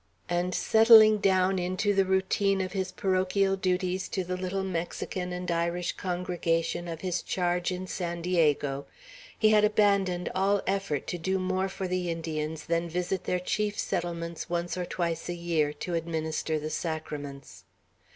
and settling down into the routine of his parochial duties to the little Mexican and Irish congregation of his charge in San Diego, he had abandoned all effort to do more for the Indians than visit their chief settlements once or twice a year, to administer the sacraments.